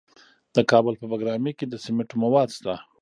د کابل په بګرامي کې د سمنټو مواد شته.